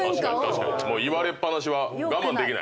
言われっ放しは我慢できない？